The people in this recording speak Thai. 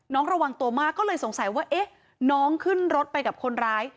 ระวังตัวมากก็เลยสงสัยว่าเอ๊ะน้องขึ้นรถไปกับคนร้าย